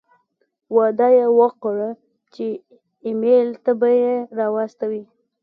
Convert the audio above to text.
وعده یې وکړه چې ایمېل ته به یې را واستوي.